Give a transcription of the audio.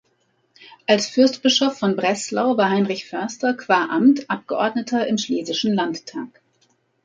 Als Fürstbischof von Breslau war Heinrich Förster qua Amt Abgeordneter im Schlesischen Landtag.